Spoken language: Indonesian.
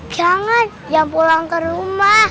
jangan ya pulang ke rumah